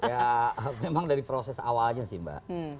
ya memang dari proses awalnya sih mbak